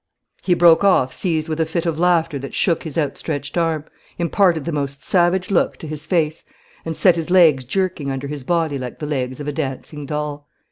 He broke off, seized with a fit of laughter that shook his outstretched arm, imparted the most savage look to his face, and set his legs jerking under his body like the legs of a dancing doll.